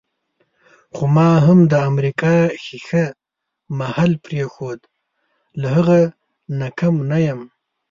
خو ما هم د امریکا ښیښه محل پرېښود، له هغه نه کم نه یم.